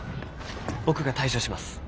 僕が対処します。